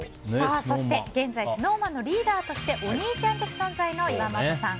そして、現在ＳｎｏｗＭａｎのリーダーとしてお兄ちゃん的存在の岩本さん。